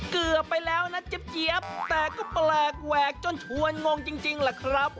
เกือบไปแล้วนะเจี๊ยบแต่ก็แปลกแหวกจนชวนงงจริงแหละครับ